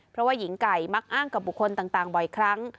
เพราะว่าหญิงไก่มักอ้างกับบุคคลต่างบ่อยครั้ง